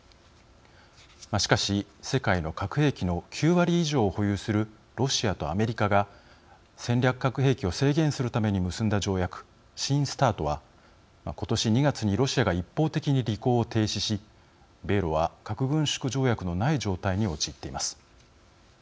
しかし、世界の核兵器の９割以上を保有するロシアとアメリカが戦略核兵器を制限するために結んだ条約、新ＳＴＡＲＴは今年２月にロシアが一方的に履行を停止し米ロは核軍縮条約のない状態に陥っています。